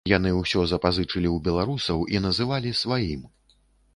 Яны ўсё запазычылі ў беларусаў і называлі сваім.